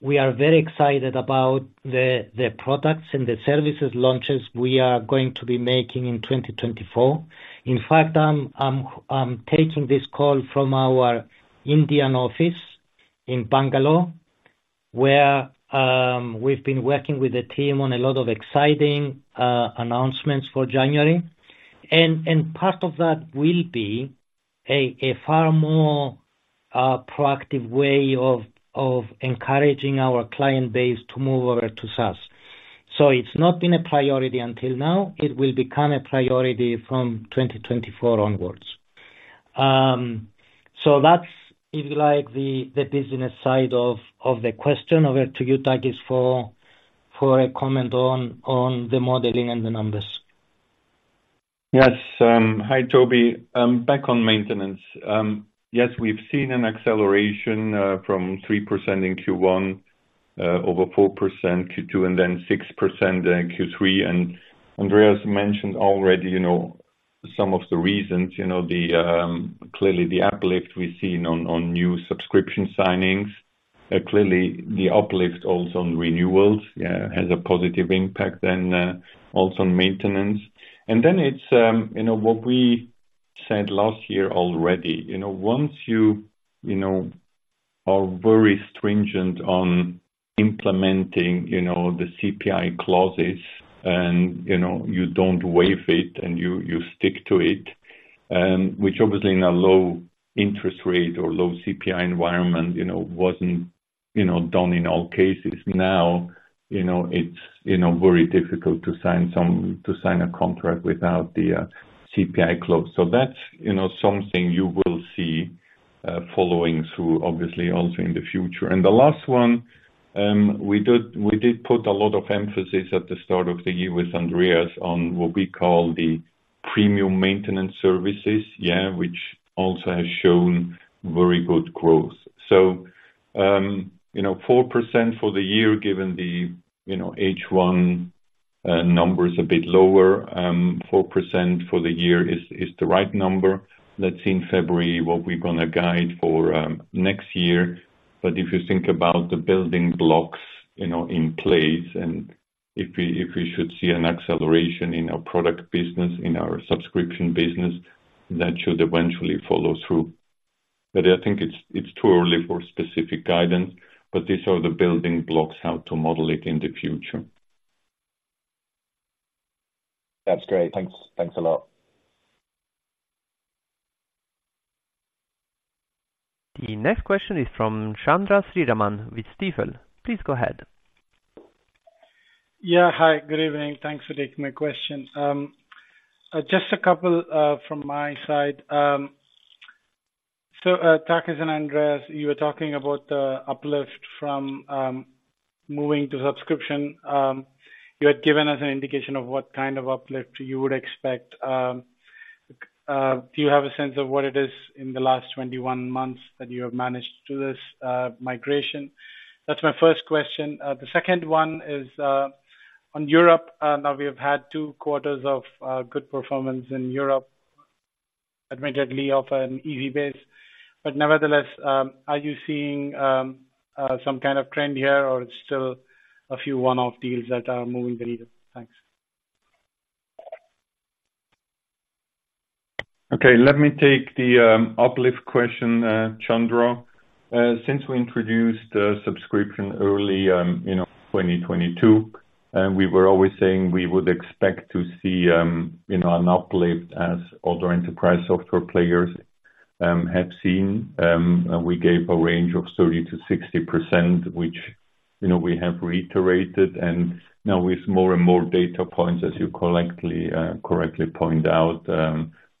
Speaker 4: we are very excited about the products and the services launches we are going to be making in 2024. In fact, I'm, I'm taking this call from our Indian office in Bangalore, where we've been working with the team on a lot of exciting announcements for January. And and part of that will be a far more proactive way of encouraging our client base to move over to SaaS. So it's not been a priority until now. It will become a priority from 2024 onwards. So that's if you like, the business side of the question. Over to you, Takis, for a comment on the modeling and the numbers.
Speaker 5: Yes. Hi, Toby. Back on maintenance. Yes, we've seen an acceleration, from 3% in Q1, over 4% Q2, and then 6% in Q3. And Andreas mentioned already, you know, some of the reasons, you know, the, clearly the uplift we've seen on new subscription signings. Clearly, the uplift also on renewals has a positive impact then, also on maintenance. And then it's, you know, what we said last year already, you know, once you, you know, are very stringent on implementing, you know, the CPI clauses and, you know, you don't waive it and you, you stick to it, which obviously in a low interest rate or low CPI environment, you know, wasn't, you know, done in all cases. Now, you know, it's you know, very difficult to sign some-- to sign a contract without the CPI clause. So that's, you know, something you will see following through, obviously, also in the future. And the last one, we did, we did put a lot of emphasis at the start of the year with Andreas, on what we call the premium maintenance services, which also has shown very good growth. So, you know, 4% for the year, given the, you know, H1 number is a bit lower. 4% for the year is the right number. Let's see in February what we're gonna guide for next year. But if you think about the building blocks, you know, in place, and if we, if we should see an acceleration in our product business, in our subscription business, that should eventually follow through. But I think it's, it's too early for specific guidance, but these are the building blocks, how to model it in the future.
Speaker 8: That's great. Thanks. Thanks a lot.
Speaker 1: The next question is from Chandra Sriraman with Stifel. Please go ahead.
Speaker 9: Yeah, hi. Good evening. Thanks for taking my question. Just a couple from my side. So, Takis and Andreas, you were talking about the uplift from moving to subscription. You had given us an indication of what kind of uplift you would expect. Do you have a sense of what it is in the last 21 months that you have managed through this migration? That's my first question. The second one is on Europe. Now, we have had two quarters of good performance in Europe, admittedly off an easy base. But nevertheless, are you seeing some kind of trend here, or it's still a few one-off deals that are moving the needle? Thanks.
Speaker 5: Okay, let me take the uplift question, Chandra. Since we introduced subscription early you know in 2022. And we were always saying we would expect to see, you know, an uplift as other enterprise software players have seen. And we gave a range of 30%-60%, which, you know, we have reiterated, and now with more and more data points, as you correctly, correctly pointed out,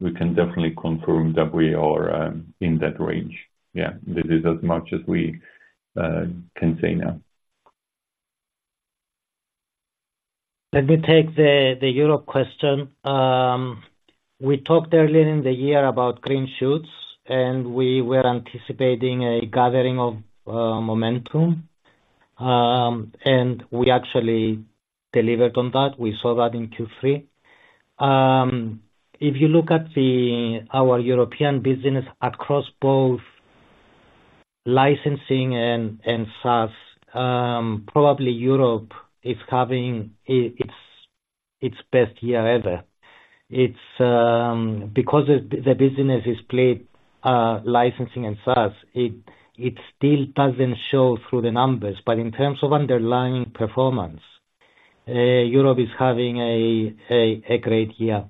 Speaker 5: we can definitely confirm that we are in that range. Yeah, this is as much as we can say now.
Speaker 4: Let me take the Europe question. We talked earlier in the year about green shoots, and we were anticipating a gathering of momentum. And we actually delivered on that. We saw that in Q3. If you look at our European business across both licensing and SaaS, probably Europe is having it's it's best year ever. It's because the business is split, licensing and SaaS; it still doesn't show through the numbers. But in terms of underlying performance, Europe is having a great year.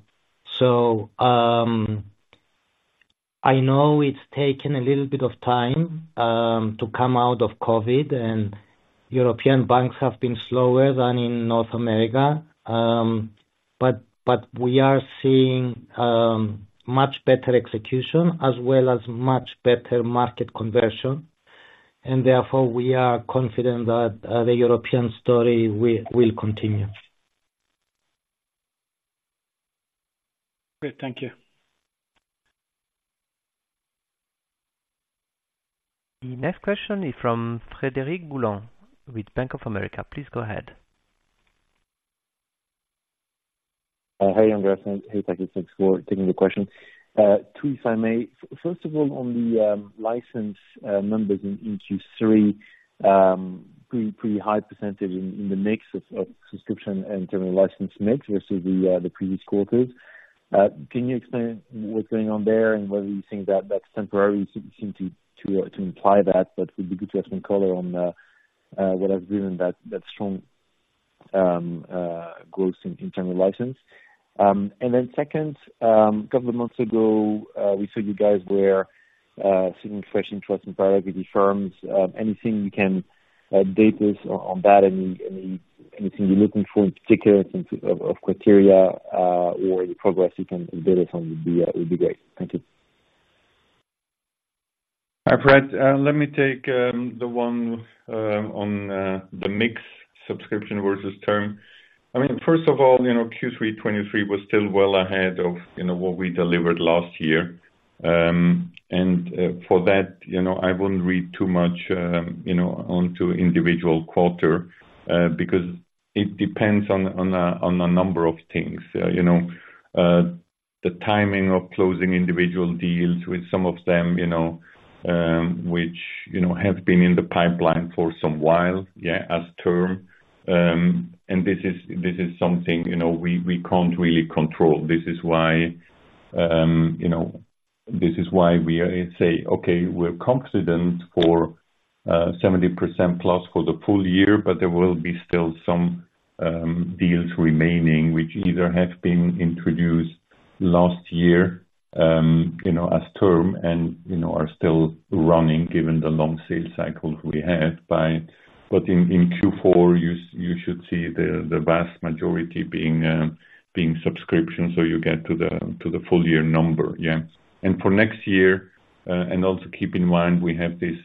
Speaker 4: So I know it's taken a little bit of time to come out of COVID, and European banks have been slower than in North America. But but we are seeing much better execution as well as much better market conversion, and therefore, we are confident that the European story will will continue.
Speaker 8: Great, thank you.
Speaker 1: The next question is from Frederic Boulan with Bank of America. Please go ahead.
Speaker 10: Hi, Andreas. Hey, Takis. Thanks for taking the question. Two, if I may. First of all, on the license numbers in Q3, pretty high percentage in the mix of subscription and term license mix versus the previous quarters. Can you explain what's going on there, and whether you think that that's temporary seem to imply that would be good to have some color on what has driven that strong growth in term license? And then second, a couple of months ago, we saw you guys were seeing fresh interest in private equity firms. Anything you can update us on that? Anything you're looking for in particular in terms of criteria, or any progress you can update us on would be great. Thank you.
Speaker 5: Hi, Fred. Let me take the one on the mix subscription versus term. I mean, first of all, you know, Q3 2023 was still well ahead of, you know, what we delivered last year. And, for that, you know, I wouldn't read too much, you know, onto individual quarter, because it depends on a number of things. You know, the timing of closing individual deals with some of them, you know, which, you know, have been in the pipeline for some while, yeah, as term. And this is something, you know, we can't really control. This is why, you know, this is why we are saying, "Okay, we're confident for 70%+ for the full year," but there will still be some deals remaining, which either have been introduced last year, you know, as term and, you know, are still running, given the long sales cycles we had by. But in Q4, you should see the vast majority being subscription, so you get to the full year number, yeah. And for next year, and also keep in mind, we have this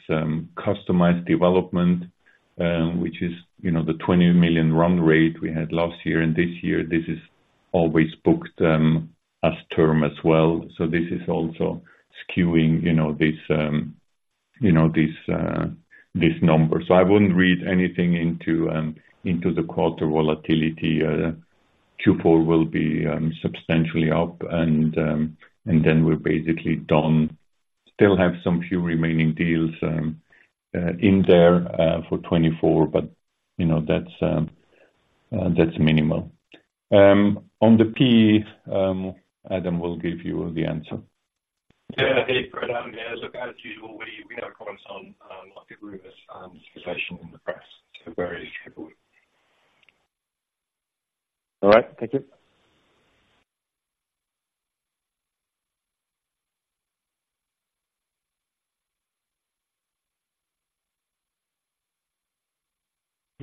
Speaker 5: customized development, which is, you know, the 20 million run rate we had last year and this year. This is always booked as term as well. So this is also skewing, you know, this, you know, this this number. So I wouldn't read anything into into the quarter volatility. Q4 will be substantially up, and and then we're basically done. Still have some few remaining deals in there for 2024, but you know, that's that's minimal. On the PE, Adam will give you the answer.
Speaker 2: Yeah, hey, Fred. Yeah, look, as usual, we have comments on, like the rumors, discussion in the press, so very carefully.
Speaker 10: All right. Thank you.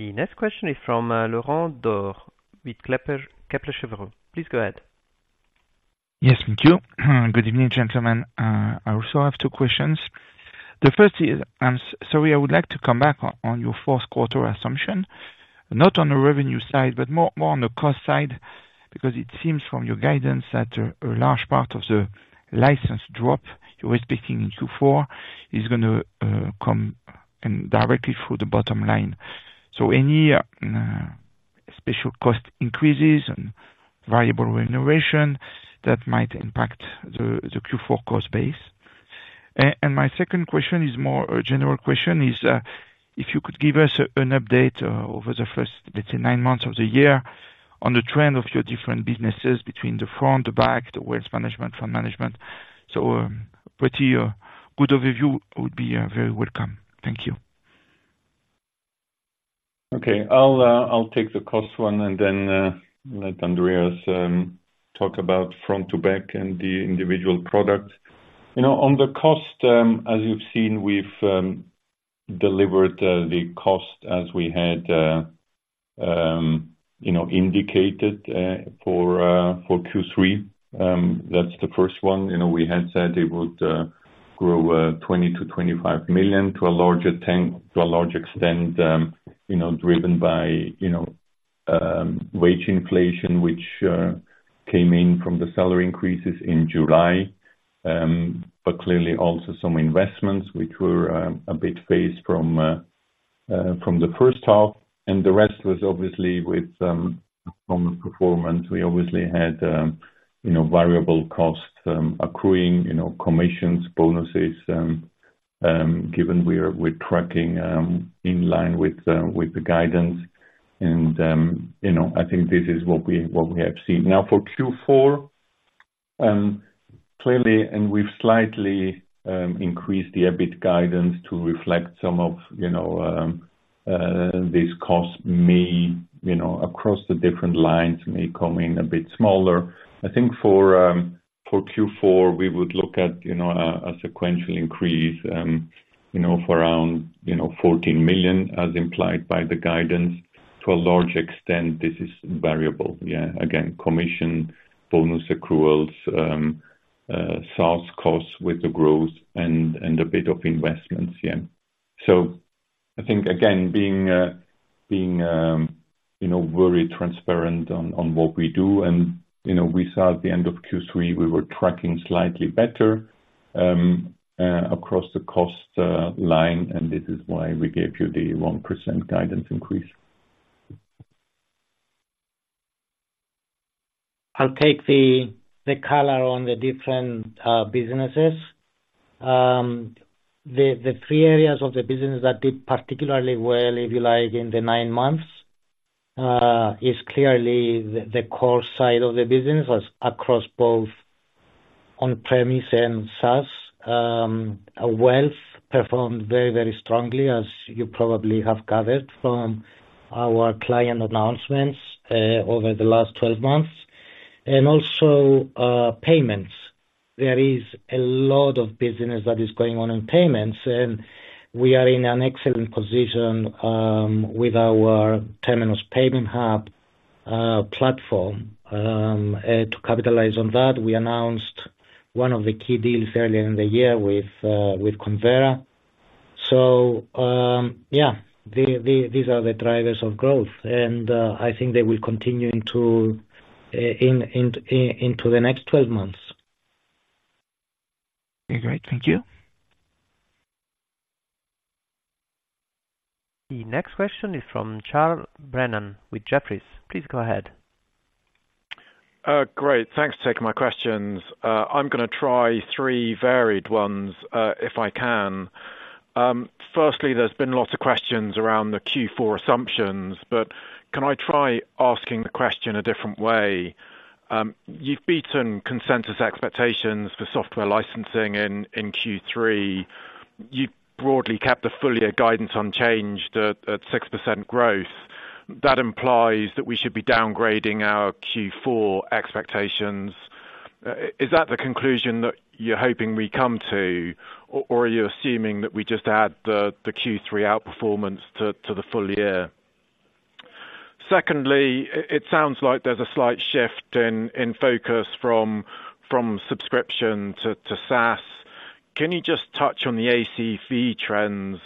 Speaker 1: The next question is from Laurent Daure with Kepler Cheuvreux. Please go ahead.
Speaker 11: Yes, thank you. Good evening, gentlemen. I also have two questions. The first is, I'm sorry, I would like to come back on your fourth quarter assumption, not on the revenue side, but more on the cost side, because it seems from your guidance that a large part of the license drop you were expecting in Q4 is gonna come directly through the bottom line. So any special cost increases and variable remuneration that might impact the Q4 cost base? And my second question is more a general question: if you could give us an update over the first, let's say, nine months of the year on the trend of your different businesses between the front, the back, the wealth management, fund management. So pretty, good overview would be very welcome. Thank you.
Speaker 5: Okay. I'll take the cost one, and then let Andreas talk about front to back and the individual product. You know, on the cost, as you've seen, we've delivered the cost as we had, you know, indicated for Q3. That's the first one. You know, we had said it would grow $20 million-$25 million to a large extent, you know, driven by wage inflation, which came in from the salary increases in July. But clearly also some investments which were a bit phased from from the first half, and the rest was obviously with performance. We obviously had, you know, variable costs accruing, you know, commissions, bonuses, given we're tracking in line with the guidance and, you know, I think this is what we have, what we have seen. Now for Q4, clearly, we've slightly increased the EBIT guidance to reflect some of, you know, these costs may, you know, across the different lines, may come in a bit smaller. I think for Q4, we would look at, you know, a sequential increase, you know, for around you know 14 million, as implied by the guidance. To a large extent, this is variable. Yeah, again, commission, bonus accruals, SaaS costs with the growth and and a bit of investments. Yeah. So I think, again, being being you know very transparent on what we do and, you know, we saw at the end of Q3, we were tracking slightly better across the cost line, and this is why we gave you the 1% guidance increase.
Speaker 4: I'll take the color on the different businesses. The three areas of the business that did particularly well, if you like, in the nine months is clearly the core side of the business was across both on-premise and SaaS. Our wealth performed very, very strongly, as you probably have gathered from our client announcements over the last 12 months. And also payments. There is a lot of business that is going on in payments, and we are in an excellent position with our Temenos Payments Hub platform to capitalize on that, we announced one of the key deals earlier in the year with with Convera. So, yeah, these these are the drivers of growth, and I think they will continue into, into the next 12 months. Okay, great. Thank you.
Speaker 1: The next question is from Charles Brennan with Jefferies. Please go ahead.
Speaker 12: Great. Thanks for taking my questions. I'm gonna try three varied ones, if I can. Firstly, there's been lots of questions around the Q4 assumptions, but can I try asking the question a different way? You've beaten consensus expectations for software licensing in Q3. You broadly kept the full year guidance unchanged at 6% growth. That implies that we should be downgrading our Q4 expectations. Is that the conclusion that you're hoping we come to, or are you assuming that we just add the Q3 outperformance to the full year? Secondly, it sounds like there's a slight shift in focus from from subscription to SaaS. Can you just touch on the ACV trends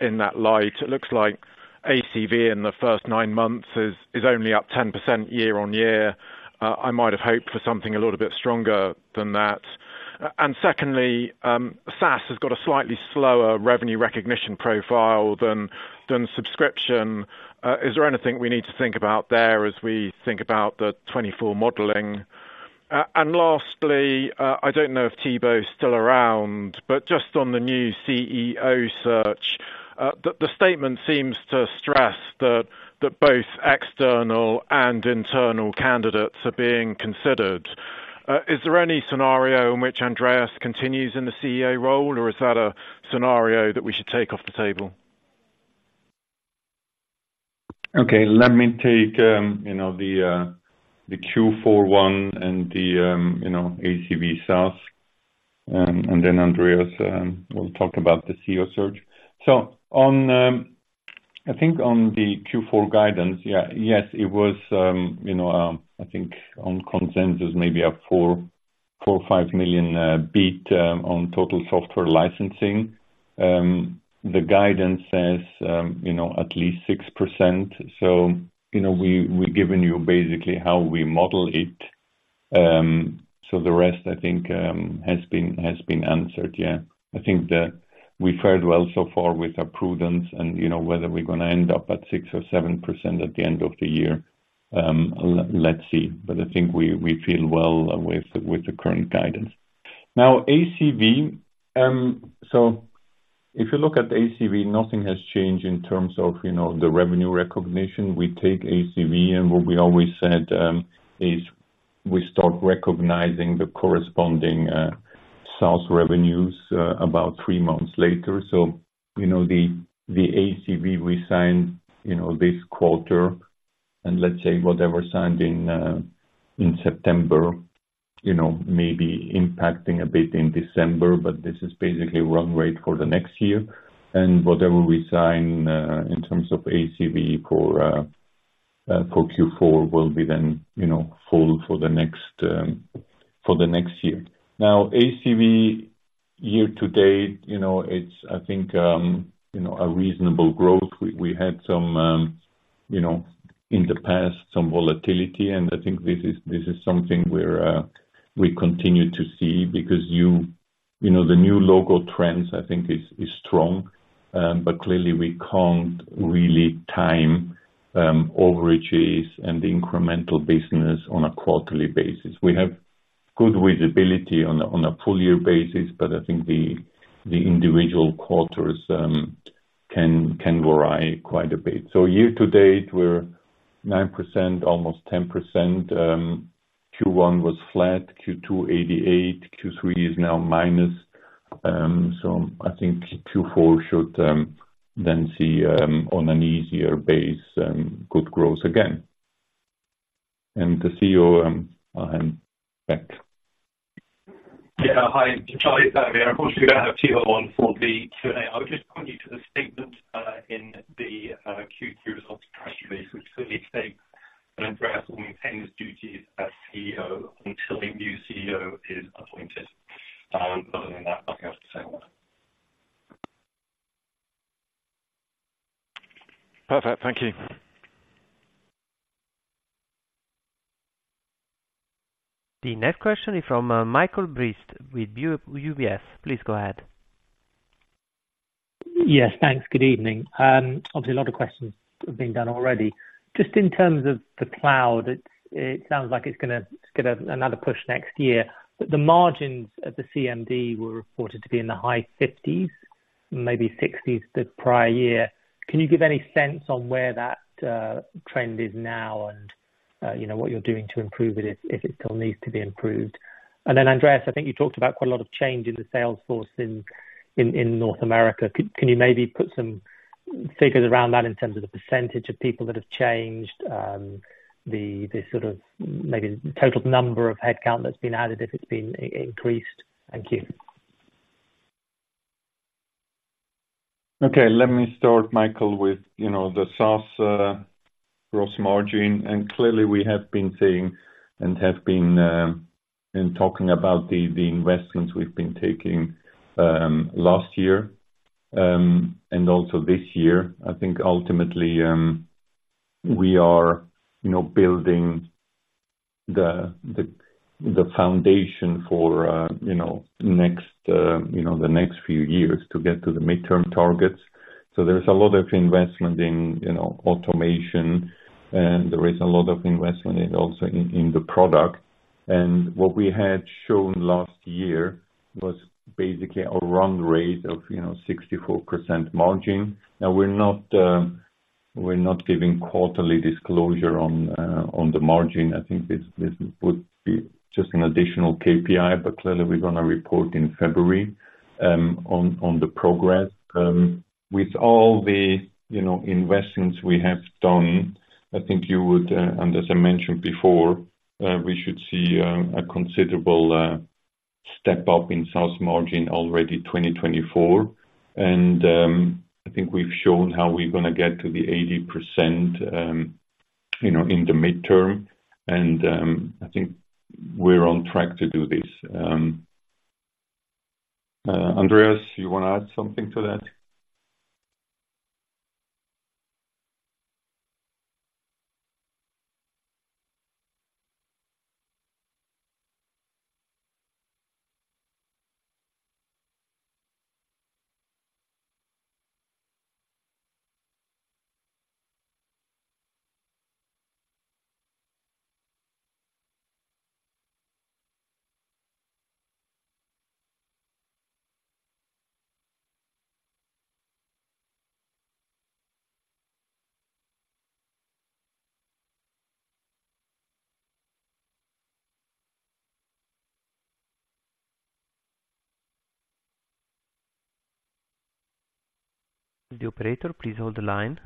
Speaker 12: in that light? It looks like ACV in the first nine months is only up 10% year-on-year. I might have hoped for something a little bit stronger than that. And secondly, SaaS has got a slightly slower revenue recognition profile than than subscription. Is there anything we need to think about there as we think about the 2024 modeling? And lastly, I don't know if Thibault is still around, but just on the new CEO search, the statement seems to stress that that both external and internal candidates are being considered. Is there any scenario in which Andreas continues in the CEO role, or is that a scenario that we should take off the table?
Speaker 5: Okay, let me take, you know, the, the Q4 one and the, you know, ACV SaaS, and then Andreas will talk about the CEO search. So on, I think on the Q4 guidance, yeah, yes, it was, you know, I think on consensus, maybe a $4 million, $5 million beat on total software licensing. The guidance says, you know, at least 6%. So, you know, we, we've given you basically how we model it. So the rest, I think, has been, has been, has been answered, yeah. I think that we fared well so far with our prudence and, you know, whether we're gonna end up at 6% or 7% at the end of the year, let let's see. But I think we, we feel well with, with the current guidance. Now, ACV, so if you look at ACV, nothing has changed in terms of, you know, the revenue recognition. We take ACV, and what we always said, is we start recognizing the corresponding, sales revenues, about three months later. So, you know, the, the ACV we signed, you know, this quarter, and let's say whatever signed in, in September, you know, may be impacting a bit in December, but this is basically run rate for the next year. And whatever we sign, in terms of ACV for, for Q4 will be then, you know, full for the next, for the next year. Now, ACV year to date, you know, it's, I think, you know, a reasonable growth. We had some, you know, in the past, some volatility, and I think this is, this is something where we continue to see, because you know, the new logo trends, I think, is strong. But clearly we can't really time overages and incremental business on a quarterly basis. We have good visibility on a on a full year basis, but I think the individual quarters can can vary quite a bit. So year to date, we're 9%, almost 10%. Q1 was flat, Q2 88, Q3 is now minus. So I think Q4 should then see, on an easier base, good growth again. And the CEO, I'm back.
Speaker 13: Yeah. Hi, Charlie here. Of course, you have CEO on for the Q&A. I would just point you to the statement in the Q3 results press release, which clearly states, and Andreas will maintain his duties as CEO until a new CEO is appointed. Other than that, nothing else to say.
Speaker 1: Perfect. Thank you. The next question is from Michael Briest with UBS. Please go ahead.
Speaker 14: Yes, thanks. Good evening. Obviously, a lot of questions have been done already. Just in terms of the cloud, it sounds like it's gonna gonna get another push next year, but the margins of the CMD were reported to be in the high 50s, maybe 60s, the prior year. Can you give any sense on where that trend is now and you know, what you're doing to improve it if it still needs to be improved? And then, Andreas, I think you talked about quite a lot of change in the sales force in North America. Can you maybe put some figures around that in terms of the percentage of people that have changed, the the sort of maybe total number of headcount that's been added, if it's been increased? Thank you.
Speaker 5: Okay, let me start, Michael, with you know the SaaS gross margin, and clearly we have been seeing and have been in talking about the investments we've been taking last year and also this year. I think ultimately, we are you know building the foundation for you know next you know the next few years to get to the midterm targets. So there's a lot of investment in you know automation, and there is a lot of investment in also in the product. And what we had shown last year was basically a run rate of you know 64% margin. And we're not, we're not giving quarterly disclosure on the margin. I think this would be just an additional KPI, but clearly, we're gonna report in February on the progress. With all the, you know, investments we have done, I think you would, and as I mentioned before, we should see a considerable step up in gross margin already 2024. And I think we've shown how we're gonna get to the 80%, you know, in the medium term, and I think we're on track to do this. Andreas, you wanna add something to that?
Speaker 2: The operator, please hold the line.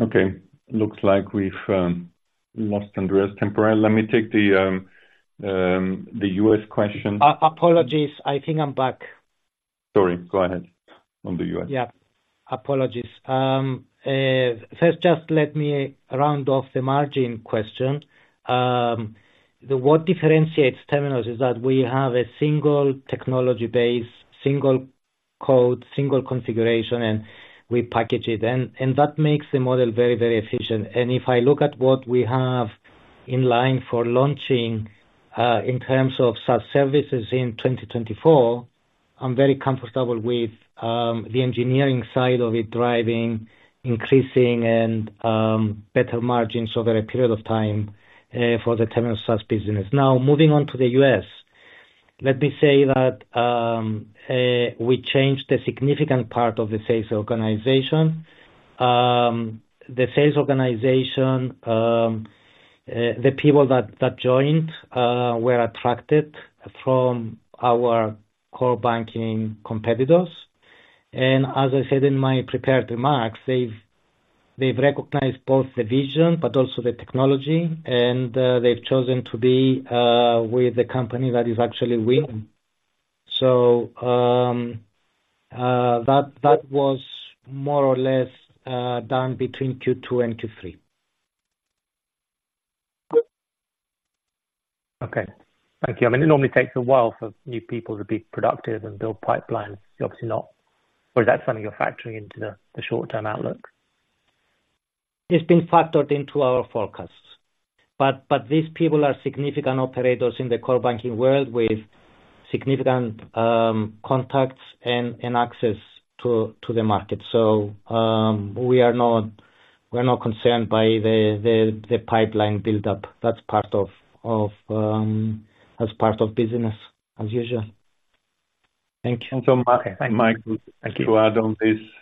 Speaker 5: Okay. Looks like we've lost Andreas temporarily. Let me take the the U.S. question.
Speaker 4: Apologies. I think I'm back.
Speaker 5: Sorry, go ahead. On the U.S.
Speaker 4: Yeah. Apologies. First, just let me round off the margin question. What differentiates Temenos is that we have a single technology base, single code, single configuration, and we package it. And that makes the model very, very efficient. And if I look at what we have in line for launching in terms of SaaS services in 2024, I'm very comfortable with the engineering side of it driving increasing and better margins over a period of time for the Temenos SaaS business. Now, moving on to the U.S. Let me say that we changed a significant part of the sales organization. The sales organization, the people that that joined were attracted from our core banking competitors. And as I said in my prepared remarks, they've they've recognized both the vision but also the technology, and they've chosen to be with the company that is actually winning. So, that was more or less done between Q2 and Q3.
Speaker 14: Okay. Thank you. I mean, it normally takes a while for new people to be productive and build pipeline. You're obviously not... Or is that something you're factoring into the, the short-term outlook?
Speaker 4: It's been factored into our forecasts, but these people are significant operators in the core banking world with significant contacts and access to the market. So, we are not, we're not concerned by the pipeline buildup. That's part of, that's part of business as usual.
Speaker 14: Thank you.
Speaker 5: Michael,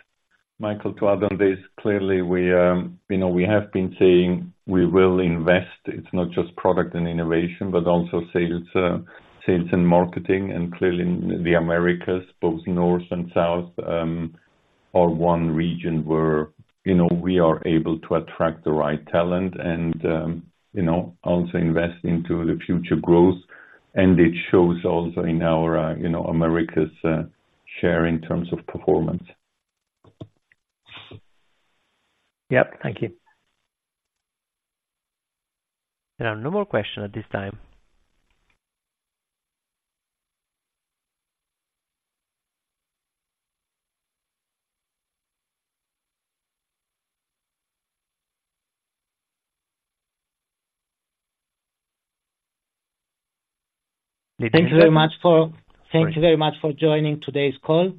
Speaker 5: Michael to add on this, clearly we, you know, we have been saying we will invest. It's not just product and innovation, but also sales, sales and marketing, and clearly the Americas, both North and South, are one region where, you know, we are able to attract the right talent and, you know, also invest into the future growth. And it shows also in our, you know, Americas, share in terms of performance.
Speaker 14: Yep, thank you.
Speaker 1: There are no more questions at this time.
Speaker 4: Thank you very much for joining today's call.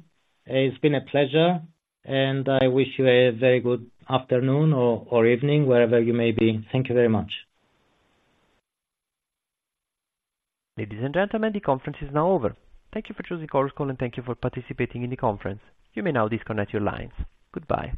Speaker 4: It's been a pleasure, and I wish you a very good afternoon or evening, wherever you may be. Thank you very much.
Speaker 1: Ladies and gentlemen, the conference is now over. Thank you for choosing Chorus Call, and thank you for participating in the conference. You may now disconnect your lines. Goodbye.